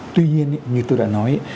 tuy nhiên như tôi đã nói